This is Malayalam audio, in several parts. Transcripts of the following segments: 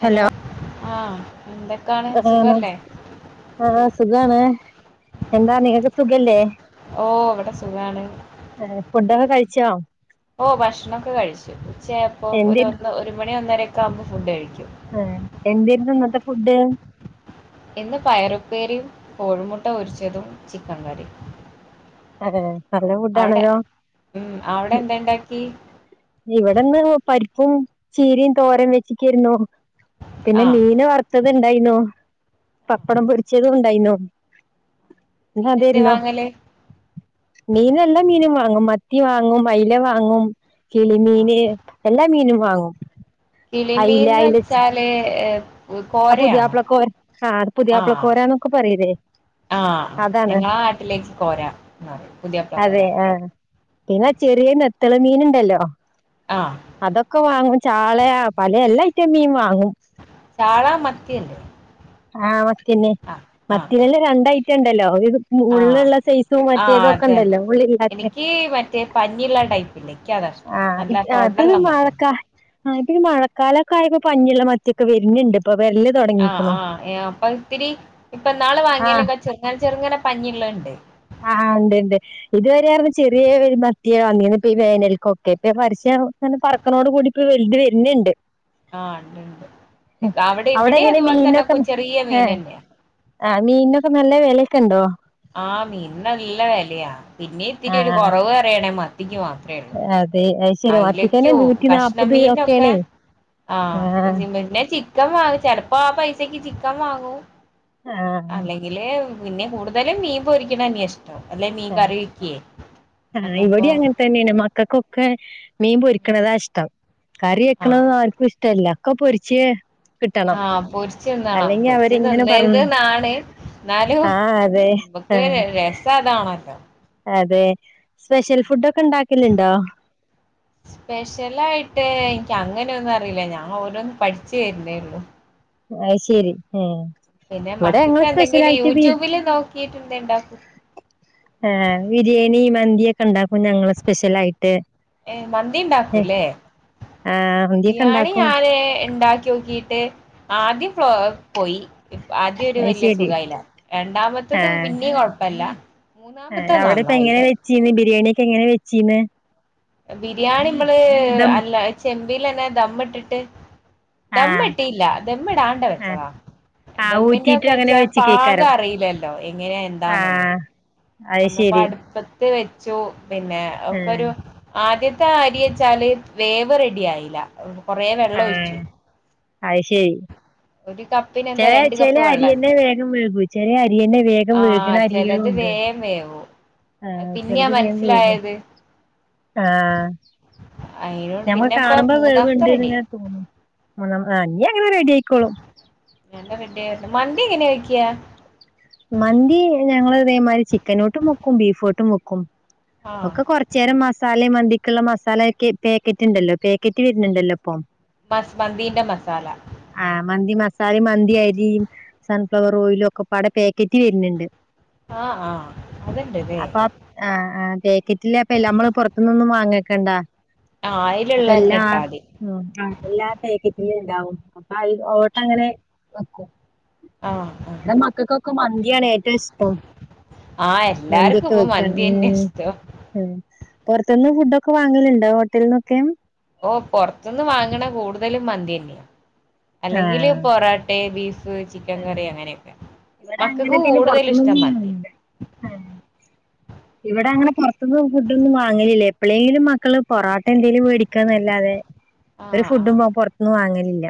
ഹലോ ആ ആ എന്താണ് ആ സുഖാണ് എന്താ നിങ്ങൾക്ക് സുഖല്ലേ ഓ ഇവിടെ സുഖാണ് ഫുഡൊക്കെ കഴിച്ചോ ഓ ഭക്ഷണൊക്കെ കഴിച്ചു ഉച്ച അപ്പോ എന്തെ ഒരു ഒന്ന് ഒരു മണി ഒന്നര ഒക്കെ ആവുമ്പോ ഫുഡ് കഴിക്കും ആഹ് എന്തേരുന്നു ഇന്നത്തെ ഫുഡ് ഇന്ന് പയറുപ്പേരിയും കോഴിമുട്ട പൊരിച്ചതും ചിക്കനൻ കറിയും അതെയോ നല്ല അവിടെ ഫുഡാണല്ലോ ഉം അവിടെ എന്താ ഇണ്ടാക്കി ഇവിടെന്ന് പരിപ്പും ചീരയും തോരൻ വെച്ചീക്കാരുന്നു പിന്നെ ആഹ് മീന് വറ്ത്ത അത്ണ്ടായിന്നോ പപ്പടം പൊരിച്ചതും ഉണ്ടായിന്നോ ഇന്ന് മീൻ എന്തേ അതെരുന്നു വാങ്ങല് മീനെല്ലാം മീനും വാങ്ങും മത്തി വാങ്ങും അയില വാങ്ങും ആഹ് കിളിമീന് എല്ലാ മീനും വാങ്ങും അയില കിളിമീൻന്ന് അയില വെച്ചാല് ഏ, കോരയാണോ പുതിയപ്പ്ളക്കൊ ആ പുതിയപ്പ്ളക്കോര പറയൂലേ ആ ഞങ്ങളാ നാട്ടിലേക്ക് കോരാ എന്ന അതെ പുതിയാപ്ലകോരാ ആ പിന്നെ ചെറിയ നെത്തല് മീനുണ്ടല്ലോ ആഹ് അതൊക്കെ വാങ്ങും ചാള പല എല്ലാ ഐറ്റം മീൻ വാങ്ങും ചാളാ മത്തിയണ്ട് ആ മത്തിന്നെ മത്തികളിൽ രണ്ട്ഐറ്റം ഉണ്ടല്ലോ ഇ ആഹ് മുള്ളുള്ള സൈസും ആഹ് മറ്റേതോക്കെ അതന്നെ ഉണ്ടല്ലോ മുള്ളില്ലാത്ത എനിക്ക് മറ്റേ പഞ്ഞിള്ള ടൈപ്പില്ലേ എനിക്കതാ ആ ഇഷ്ടം ഇ നല്ല ആ തൊടള്ള മത്തി പിഴിമാളക്ക ആ ഇപ്പ ഈ മഴക്കാലക്കെ ആയപ്പോ പഞ്ഞിയുള്ള മത്തിയൊക്കെ വരുന്നുണ്ട് ഇപ്പൊ വെരല് ആഹ് തുടങ്ങീയിക്ക്ണോ ആഹ് അപ്പൊ ഇത്തിരി ഇപ്പൊ നാള് വാങ്ങിയല്ലേക്ക ചെറുങ്ങനെ ചെറുങ്ങനെ പഞ്ഞിയള്ളുണ്ട് ആ ഉണ്ട് ഉണ്ട് ഇതുവരെയായിരുന്നു ചെറിയ ഒരു മത്തിയ വാങ്ങിയത് ഈ വേനൽക്കൊക്കെ ഇപ്പ പര പറക്കനോട് കൂടിപ്പ് വെയില് വരുന്നുണ്ട് ആ ഉണ്ട്ണ്ട് അവിടെ ഇവിടെ എങ്ങനെ അതുപോലെ തന്നെ മീനൊക്കെ ചെറിയ മീൻ ഏഹ് തന്നെയ ആ മീനൊക്കെ നല്ല വെലക്കെ ഉണ്ടോ ആ മീന് നല്ല വെലയാ പിന്നെ ഇത്തിരി ഒരു ആഹ് കുറവ് അറിയണേ മത്തി മാത്രമേ ഉള്ളൂ അതെ അത് ശരി മത്തിക്കന്നെ അയലക്കോ നൂറ്റി നാപ്പത് കഷ്ണമീനൊക്കെ ഒക്കെയാണേ ആ ആഹ് പിന്നെ ചിക്കൻ വങ്ങും ചെിലപ്പോ ആ പൈസ പൈസക്ക് ചിക്കൻ വാങ്ങും ആഹ് അല്ലെങ്കില് പിന്നെ കൂടുതലും മീൻ പൊരിക്കണ തന്നെയാ ഇഷ്ടം അല്ലെ മീൻ ആ കറി വെക്കേ ആ അന്നപ്പോ ഇവിടെ അങ്ങനെ തന്നെയാണ് മക്കൾക്കൊക്കെ മീൻ പൊരിക്കണതാ ഇഷ്ടം കറി ആഹ് വെക്കണത് ആർക്കും ഇഷ്ടമല്ല ഒക്കെ പൊരിച്ച് കിട്ടണം ആ പൊരിച്ച് തിന്നണം അല്ലെങ്കി പൊരിച്ച് അവരിങ്ങനെ തിന്നരുത് പറഞ്ഞു നാണ് എന്നാലും ആഹ് അതെ നമുക്ക് ആഹ് രസം അതാണോല്ലോ അതെ സ്പെഷ്യൽ ഫുഡ് ഒക്കെ ഉണ്ടാക്കലുണ്ടോ സ്പെഷ്യല ആയിട്ട് എനിക്ക് അങ്ങനെയൊന്നും അറിയില്ല ഞാൻ ഓരോന്നും പഠിച്ചു വരുന്നേള്ളു അ ശരി ആ പിന്നെ മക്കൾക്ക് എന്തെങ്കിലും യൂട്യൂബില് നോക്കിട്ട് എന്ത് ഇണ്ടാക്കും ആഹ് ബിരിയാണി മന്തി ഒക്കെ ഉണ്ടാക്കും ഞങ്ങള് സ്പെഷ്യൽ ആയിട്ട് ഏഹ് മന്തി ഉണ്ടാക്കൂല്ലേ ആഹ് മന്തിയൊക്കെ ബിരിയാണി ഉണ്ടാക്കും ഞാന് ഉണ്ടാക്കി നോക്കിട്ട് ആദ്യം പോയി ആദ്യം ഒരു അത് വലിയ സുഖ ശരി ആയില്ല രണ്ടാമത്തെത് പിന്നേ കുഴപ്പ പല്ല ആ അവിടെ ഇപ്പ എങ്ങനെയാ വെച്ചീന്ന് ബിരിയാണിയൊക്കെ എങ്ങനെ വെച്ചീനെ ബിരിയാണി നമ്മള് അല്ല ചെമ്പീയിലന്നെ ദമ്മ് ഇട്ടിട്ട് ആഹ് ദമ്മിട്ടിയില്ല ദമ്മിടാണ്ടെ ആഹ് വെച്ചതാ ആ ദമ്മിന്റെ ഊറ്റിയിട്ടും ഒക്കെ അങ്ങനെ വച്ചാ പാകം വെച്ചിക്കേക്കാരം അറിയില്ലല്ലോ എങ്ങനെയ എന്താന്നൊന്നും ആഹ് അത് അന്നെപ്പോ ശരി അടുപ്പത്ത് വെച്ചു പിന്നെ ഒക്കെ ആഹ് ഒരു ആദ്യ അരി വെച്ചാല് വേവ് റെഡി ആയില്ല കൊറെ വെള്ളം ആഹ് ഒഴിച്ചു അത് ശരി ഒരു കപ്പിന് ചെ എന്താ രണ്ട് ചെല കപ്പ് വെള്ളം അരിയന്നെ വേഗം വേകും ചെല അരിയന്നെ വേഗം ആ ചിലത് വേഗം വേവും [inaudible] ആ അത് പിന്നെയാ ചെലത് വേഗം വേം മനസ്സിലായത് ആ അയിനോട് ഞമ്മ പിന്നെപ്പ കാണുമ്പോ മൂന്നാമത്തെ റെഡി വേവുണ്ട്ന്ന്ങ്ങനെ തോന്നും നീ അങ്ങനെ റെഡി ആക്കി എന്റെ [unintelligible] വരുന്നു മന്തി എങ്ങനെയ വെക്ക്കാ മന്തി ഞങ്ങള് ഇതേമാതിരി ചിക്കനുട്ടും വെക്കും ബീഫ്ട്ടും മുക്കും ആഹ് ഒക്കെ കൊറച്ചു നേരം മസാലയും മന്തി ഉള്ള മസാലയൊക്കെ പാക്കറ്റ് ഉണ്ടല്ലോ പാക്കറ്റ് വരുന്നുണ്ടല്ലോ അപ്പം മന്ത് മന്തിന്റെ മസാല താഴെ മന്തിയരിയും സൺഫ്ലവർ ഓയിലും ഒക്കെ പടെ പാക്കറ്റ് വരുന്നുണ്ട് ആഹ് ആഹ് അത്ണ്ട്ല്ലേ അപ്പൊ ആ ആ പാക്കറ്റിൽ ലപ്പ നമ്മള് പുറത്തു നിന്നൊന്നും വാങ്ങിക്കേണ്ടാ ആഹ് അപ്പ അയില്ള്ളന്നെ എല്ലാ ഇട്ടാതി ആഹ് എല്ലാ ടൈപ്പ് ഉണ്ടാവും അപ്പൊ അതിലോട്ട് അങ്ങനെ വെക്കും ആഹ് ആഹ് ഇടെ മക്കൾക്കൊക്കെ മന്തിയാണ് ഏ ഇഷ്ടം ആഹ് എല്ലാർക്കും മന്തിയൊക്കെ ഇപ്പൊ വെക്കാൻ മ് മന്തിയന്നെ ഇഷ്ടം പുറത്തുന്ന് ഫുഡൊക്കെ വാങ്ങലുണ്ടോ ഹോട്ടലിന്നൊക്കെ ഓഹ് പുറത്തുനിന്നു വാങ്ങണ കൂടുതലും മന്തി തന്നെയ ആ അല്ലെങ്കില് പൊറോട്ടെ ബീഫ് ചിക്കൻ കറി അങ്ങനെയൊക്കെ ഇവിടെ മക്കക്ക് അങ്ങനെ പിന്നെ കൂടുതലും പുറത്തനിന്നും ഇഷ്ടം മന്തിയാ [inaudible] ഇവിടെ അങ്ങനെ പുറത്ത് ഫുഡ് ഒന്നും വാങ്ങലില്ലേ എപ്പോഴെങ്കിലും മക്കള് പൊറോട്ട എന്തെങ്കിലും മേടിക്കാന്നല്ലാതെ ഒരു ആഹ് ആഹ് ഫുഡും പുറത്തുന്നു വാങ്ങലില്ല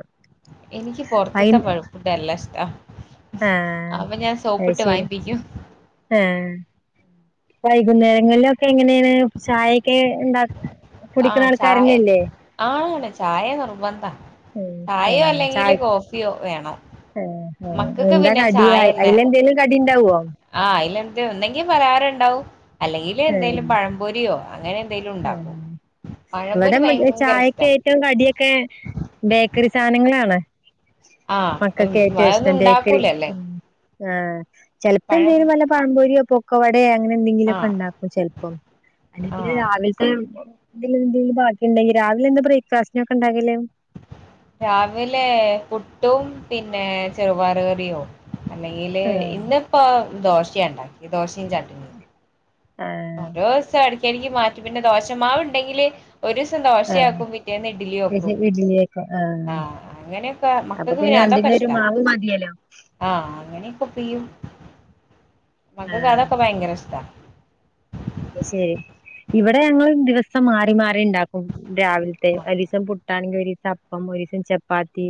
എനിക്ക് വൈ പൊറത്തെത്തെ [unintelligible] ഇഷ്ട ആഹ് അപ്പോ ഞാൻ അത് സോപ്പിട്ട് ശരി വാങ്ങിപിക്കും ആഹ് വൈകുന്നേരങ്ങളിലൊക്കെ എങ്ങനെയാണ് ചായൊക്കെ ഉണ്ടക് ആഹ് ചായ ആണ് ചായ നിർബന്താ ഉം ചായോ ഏഹ് ചായ അല്ലെങ്കില് കോഫിയോ വേണം ഏഹ് ഏഹ് മക്കൾക്ക് എന്താ പിന്നെ കടി ചായന്നെ അയിലെന്തേലും കടി ഉണ്ടാവോ ആഹ് അയിൽ ഒന്നെങ്കിൽ പലഹാരം ഉണ്ടാവും അല്ലെങ്കിൽ ഏഹ് എന്തെങ്കലും പഴംപൊരിയോ അങ്ങനെ എന്തെലും ഏഹ് ഉണ്ടാക്കും പഴംപൊരി ഇവിടെ ഭയങ്കര ഇഷ്ടാ ചായക്കെ ഏറ്റവും കടിയൊക്കെ ബേക്കറി സാധനങ്ങളാണ് ആ ഉം, മക്കള്കേറ്റോ അതൊന്നും ഇഷ്ടം ബേക്കറി ഉണ്ടാക്കൂലല്ലേ മ് ആഹ് ചിലപ്പോ പഴം എന്തേലും വല്ല പഴപൊരിയോ പോക്കാവട അങ്ങനെ എന്തെങ്കിലും ആ ഒക്കെ ഉണ്ടക്കും ചിലപ്പോ ആ അല്ലെപിന്നെ രാവിലെ എന്തിലും എന്തെലും ബാക്കി ഉണ്ടെങ്കിൽ രാവിലെ എന്ത ബ്രേക്ക്ഫാസ്റ്റിനൊക്കെ ഉണ്ടാക്കല് രാവിലെ പുട്ടും പിന്നെ ചെറുപയരുകറി യോ അല്ലെങ്കില് ആഹ് ഇന്ന് ഇപ്പോ ദോശയ ഉണ്ടക്കിത് ദോശയും ചട്നി മ് ഓരോ ദിവസം ഇടക്ക്ടക്ക് മാറ്റും പിന്നെ ദോഷമാവുണ്ടെങ്കില് ഒരുസം ആഹ് ദോശയാക്കും പിറ്റേന്ന് ഇഡ്ലിക്കും ഇഡ്ലിയൊക്കെ ആഹ് ആ അങ്ങനെയൊക്കെ അപ്പൊ മക്കക്ക് പി പിന്നെ രണ്ടിനും ഒരു മാവ് മതിയല്ലോ ആ അങ്ങനെയൊക്കോപ്പിക്കും മക്കക്ക് അതോക്കെ ഭയങ്കര ഇഷ്ട അ ശരി ഇവിടെ ഞങ്ങൾ ദിവസം മാറി മാറി ഇ ണ്ടാക്കും രാവിലത്തെ ഒരു ദിവസം പുട്ടാണെങ്കിൽ ഒരു ദിവസം അപ്പം ഒരുസം ചപ്പാത്തി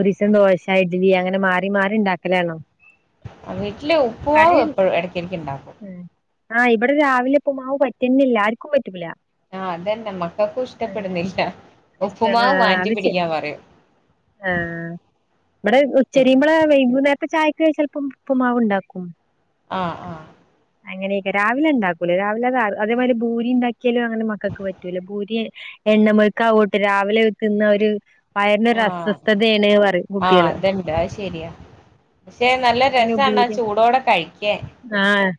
ഒരീസം ദോശ ഇഡ്ലി അങ്ങനെ മാറി മാറി ഇണ്ടാക്കലാണോ വീട്ടിലെ ഉപ്പുമാവ് എപ്പോഴും ഇടക്കിടക്ക് ഉണ്ടാക്കും ആഇവിടെ രാവിലെഉപ്പ് മാവ് പറ്റന്നില്ല ആർക്കും പറ്റൂല ആ അതന്നെ മക്കൾക്കും ഏഹ് ഇഷ്ടപ്പെടുന്നില്ല ഉപ്പുമാവ് മാറ്റി പിടിക്കാൻ പറയും ആ ഇവിടെ ഉച്ചരിയുമ്പോള വെയ്കുനേരത്തെ ചാ ക്ക് ചെലപ്പം ഉപ്പുമാവ് ഉണ്ടാക്കും അ അ അങ്ങനെയൊക്കെ രാവിലെ ഇണ്ടാക്കൂലേ രാവിലെ അത് അതേപോലെ പൂരി ഇണ്ടാക്കിയാലും അങ്ങനെ മക്കൾക്ക് പറ്റൂല പൂരി എണ്ണമഴുക്കാവോട്ട് രാവിലെതിന്നാൽ ഒരു വയറിന് ഒരു ആഹ് അസ്വസ്ഥതയണ പറയും ആഹ് കുട്ടികള് അതുണ്ട് അത് ശരിയാ പക്ഷെ നല്ല അപ്പൊ പിന്നെ രസണ് ആ ഭൂരി ചൂടോടെ കഴിക്കാൻ ആഹ്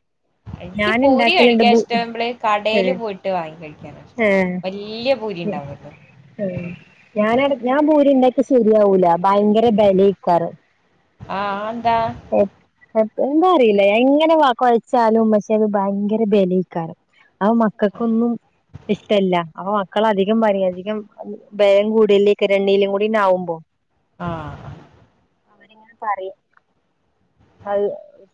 എനിക്ക് ഞാൻ പൂരി ഉണ്ടാക്കലുണ്ട് കഴിക്കാൻ ഭൂ ഇഷ്ടമ്പള് കടൽ ഏഹ് പോയിട്ട് വാങ്ങി കഴിക്കാന ഇഷ്ടം വല്യ പൂരി ഉണ്ടാവല്ലോ മ് ഞാനട അതെ ഞാൻ ഭൂരി ഇണ്ടാക്കിയ ശരിയാവൂല ഭയങ്കര ബെലെക്കാരം ആഹ് അതെന്താ എന്താ അറിയില്ല എങ്ങനെ വ ക്കെയ ചാലും പക്ഷെ അത് ഭയങ്കര ബലക്കാരം അപ്പം മക്കൾക്കൊന്നും ഇഷ്ടല്ല അപ്പൊ മക്കളൾ അധികം പറയും അധികം ഭലം കൂടലേകാരം എണ്ണിലിം കൂടിആവുമ്പോ ആഹ് അവരിങ്ങനെ പറിം അത്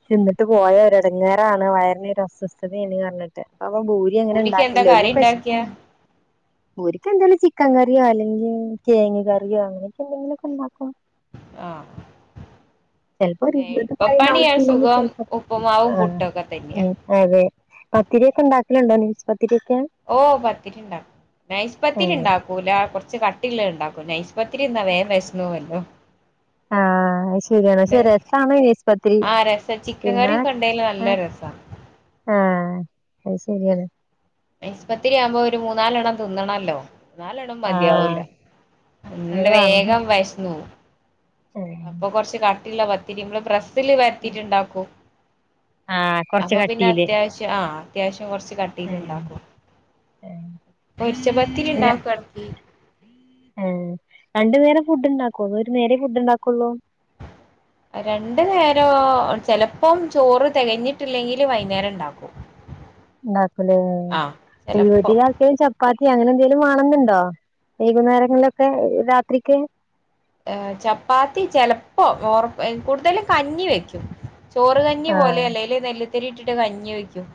തിന്നിട്ട് പോയാ ഒരെടങ്ങേറാണ് വയറിന് ഒരസ്വസ്ഥതേണ് പർഞ്ഞിട്ട് അപ്പം ഭൂരി അങ്ങനെ പൂരിക്ക് എന്താ ഉണ്ടാക്കൽല്ല. കറി ഓൽക്കൊക്കെ ഇഷ് ഉണ്ടാക്കിയ ഭൂരിക് എന്തേലും ചിക്കൻ കറിയോ അല്ലെങ്കിൽ കെയങ് കറിയോ അങ്ങനൊക്കെ എന്തെങ്കിലൊക്കെ ണ്ടാക്കും. ആഹ്. ചെൽപ്പൊര് പിന്നെ എളുപ്പപ്പണിയാ [unintelligible] സുഖം ചെലപ്പം ഉപ്പുമാവും ആഹ് പുട്ടൊക്കെ മ് തന്നെയാ അതെ പത്തിര്യൊക്കെ ഉണ്ടാക്കല്ണ്ടോ നൈസ് പത് ഓഹ് പത്തിരിണ്ടാക്കും. നൈസ് ആഹ് പത്തിട്ടുണ്ടാക്കൂല. കൊർ ച്ച് കട്ടില്ലത് ഉണ്ടാക്കും നൈസ് പത്തിരി തിന്നാൽ വേം വിശന്നെവല്ലോ ആഹ് അത് ശരിയാണ് അതുകൊണ്ട് പക്ഷെ രസാണ് നൈസ് പത്തിരി ആ രസ ചിക്കൻ കറിക്കെ ഉണ്ടൽ നല്ല രസം സ ആ അത് ശരിയാണ് നൈസ് പത്തിരി ആവുമ്പോ ഒരു മൂന്നാലണം തിന്നണല്ലോ നാലെണ്ണം മതിയാവുല ആഹ് അത് അന്ന് വേണം വേഗം വശന്നുപോവും അപ്പൊ കൊറച്ച് കട്ടില്ല പത്തിരി നമ്മൾ പ്രസ്സില് പത്തിരി ഉണ്ടാക്കുമോ ആഹ് കൊറച്ച് അപ്പൊ പിന്നെ കട്ടീല് അത്യാവശ്യം ആ അത്യാവശ്യം കൊറച്ച് ഏഹ് കട്ടിയിലുണ്ടാക്കും പൊരിച്ച പത്തിരി ഏഹ് ഉണ്ടാക്കുവാ രണ്ടു നേരം ഫുഡ് ഉണ്ടാക്കു ഒരു നേരെ ഫുഡ് ഉണ്ടാക്കുള്ളൂ രണ്ടു നേരം ഓ ചെലപ്പം ചോറ് തികഞ്ഞിട്ടില്ലെങ്കില് വൈകുന്നേരം ഇണ്ടാക്കും ഉണ്ടാക്കല് ചെലപ്പോ ഇവിടി ആർക്കെ ചപ്പാത്തി അങ്ങനെ എന്തേലും വേണെന്നണ്ടോ വൈകുന്നേരങ്ങളിലൊക്കെ രാത്രിക്ക് ഹേ ചപ്പാത്തി ചെലപ്പോ ഓർ എ കൂടുതൽ കഞ്ഞി വെക്കും ചോറുകഞ്ഞി ആഹ് പോലെയല്ലേ അല്ല നെല്ലുത്തരി ഇട്ടിട്ട് കഞ്ഞി വേക്കും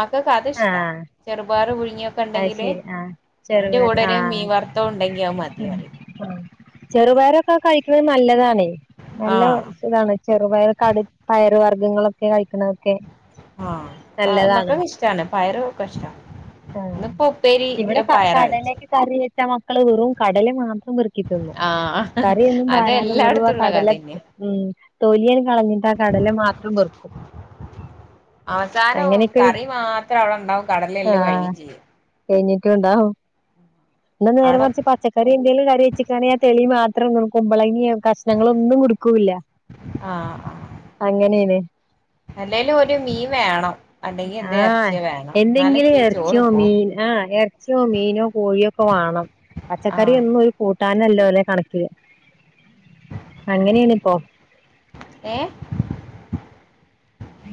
മക്കൊക്ക് അത് ഇഷ്ടാ ആഹ് ചെറുപയർ പുഴുങ്ങിയൊക്കെ അത് ഉണ്ടെങ്കില് ശരി ആഹ് എന്റെ ചെറുപയർ കൂടെര് ആഹ് മീൻ വർത്തോ ഉണ്ടെങ്കിയ അത് മതിയോന് ചെറുപയർ ഒക്കെ കഴിക്കുന്നത് നല്ലതാണ് ആ നല്ല സുഖമാണ് ചെറുപയർ കടു പയർ വർഗ്ഗങ്ങളൊക്കെ കഴി ണൊക്കെ നല്ലതാണ് പയറ് കഷ്ട ആഹ ആ ഇവിടെ പയറാ വെച്ച് കടലയ്ക്ക കറി വെച്ച മക്കള് വെറും കടല മാത്രം പെറുക്കി തന്നു ആഹ് കറിയൊന്നും അത് പാരാതെ വെറും എല്ലായിടത്തും ഉള്ള കടല കഥന്നെയാ ഉ തോലിയ കളഞ്ഞിട്ട് ആ കടല മാത്രം പറുക്കും അവസാനം കറി മാത്രം അവടെ ണ്ടാവും കടലെല്ലോം കഴിയും ചെയ്യും. കഴ്ഞ്ഞിട്ടുണ്ടാവും. ന്ന നേരെ അവിടെ മറ്ച്ച് പച്ചക്കറി എന്തെലും കറി വെച്ചക്കാണെ ആ തെളി മാത്രം [unintelligible] കുമ്പളങ്ങിം കഷ്ണങ്ങളൊന്നും ഇട്ക്കൂല്ല അങ്ങനെണ് അല്ലേലൊരു മീൻ വേണം. അല്ലെങ്കിൽ എന്തേ ആഹ് ഇറച്ചിയോ വേണം എന്തെങ്കിലും എന്നാലൊക്കെയാ ചോറ് എർച്ച്യോ പോവും മീന ആഹ് എർച്ച്യോ മീനോ കോഴിയൊക്കെ വാ വാണം ആഹ് പച്ചക്കറ്യൊന്നൊര് കൂ ട്ടാനല്ല ഒല്ലെ കണക്ക് അങ്ങനെണിപ്പോ ഏഹ്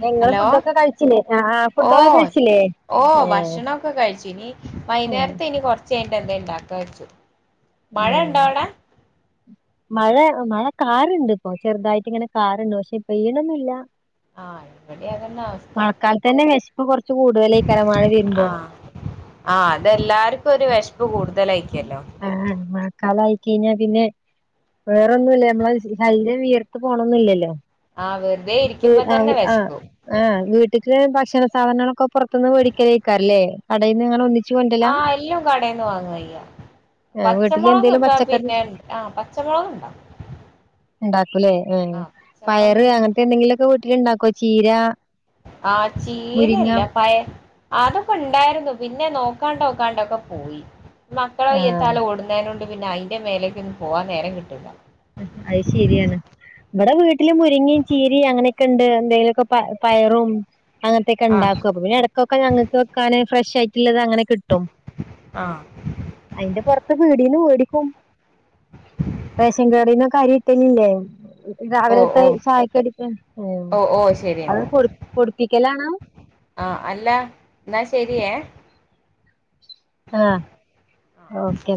ഇങ്ങള് ഹലോ ഫുഡൊക്കെ കഴ്ച്ചില്ലേ ആഹ് ഫുഡൊക്കെ ഓഹ് കഴ്ച്ചില്ലേ? ഓഹ് ഭക്ഷണൊക്കെ കഴിച്ചു ഇനി ആ വൈന്നേരത്തെനി കൊ ർച്ചയ്ഞ്ഞ്ട്ട് എന്തേം ഇണ്ടാക്കാച്ചു. മഴ ണ്ടാവടെ മഴ മഴക്കാറ്ണ്ട് പ്പൊ ചെറ്തായിട്ട് ഇങ്ങനെ കാറ്ണ്ട് പക്ഷെ പെയ്യ്ണൊന്നുല്ല. ആഹ് ഇവിടെ അതന്നെ അവസ്ഥ മഴക്കാലത്തെന്നെ വെശപ്പ് കൊർച്ച് കൂടുതലേക്കാരം മഴ വെരുമ്പോ ആഹ് ആഹ് അതെല്ലാവർക്കൊരു വെശപ്പ് കൂടു ആഹ് മഴക്കാലായി കഴിഞ്ഞാ പിന്നെ വേറൊന്നുമല്ല നമ്മള ശല്യം ഉയർത്ത് പോണൊന്നില്ലല്ലോ ആഹ് വെറുതെ ഇരിക്കുമ്പോ തന്നെ ആഹ് വെശക്കും ആഹ് വീട്ടില് ഭക്ഷ ഭക്ഷണ സാധനങ്ങളൊക്കെ [unintelligible] പുറത്തുന്ന് വേടിക്കലേക്കാറ അല്ല കടൽ നിങ്ങൾ ആഹ് എല്ലാം കടന്ന് വാങ്ങായി ആ വീട്ടില് പച്ചമുളക് എന്തേലും ഓക്കെ പച്ചക്കറി പിന്നെ ആഹ് പച്ചമുളക് ഉണ്ടോ ഉണ്ടാക്കൂല്ലേ ആഹ് പയറ് അങ്ങനത്തെ എന്തെങ്കിലുമൊക്കെ വീട്ടില ഇണ്ടാക്കോ ചീര ആ മുരിങ്ങ ചീനല്ല പയ അതൊക്കെ ഉണ്ടായിരുന്നു പിന്നെ നോ [unintelligible] പോയി മക്കളെ ആഹ് [unintelligible] ഓടുന്നേണ്ട് പിന്നെ അയിന്റെ മേലേക്ക് ഒന്ന് പോവാൻ നേരം കിട്ടില്ല അത് ശരിയാണ് നമ്മടെ വീട്ടില് മുരിങ്ങയും ചീരിയും അങ്ങനെയൊക്കെ ഉണ്ട് എന്തെങ്കിലുമൊക്കെ പയറും അങ്ങനത്തെൊക്കെ ആഹ് ഉണ്ടാക്കും അപ്പ പിന്നെ ഇടക്കൊക്കെ ഞങ്ങൾക്ക് വെക്കാന് ഫ്രഷ് ആയി അങ്ങനെ കിട്ടും ആഹ് അതിന്റെ പുറത്ത് [unintelligible] റേഷൻകാർഡിൽ അരി കിട്ടലില്ലേ ഓഹ് രാവിലത്തെ ഓഹ് ചായക്കടിക്ക ഓഹ് ഓഹ് അത് പൊടിപ്പിക്കൽ ആണോ ആഹ അല്ല എന്നാ ശരിയേ ആഹ് ആഹ് ഓക്കെ